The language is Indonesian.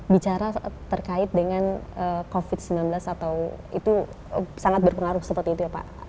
bicara terkait dengan covid sembilan belas atau itu sangat berpengaruh seperti itu ya pak